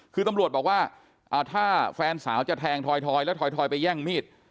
คือตำรวจบอกว่าถ้าแฟนสาวจะแทงทอยแล้วถอยไปแย่งมีด